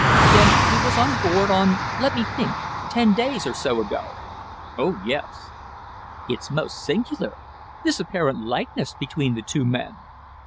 "Then he was on board on let me think ten days or so ago?" "Oh, yes." "It's most singular, this apparent likeness between the two men."